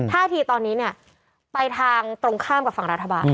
ท่าทีตอนนี้เนี่ยไปทางตรงข้ามกับฝั่งรัฐบาล